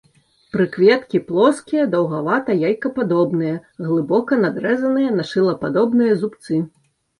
Прыкветкі плоскія, даўгавата-яйкападобныя, глыбока надрэзаныя на шылападобныя зубцы.